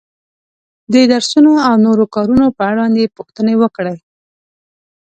د درسونو او نورو کارونو په اړوند یې پوښتنې وکړې.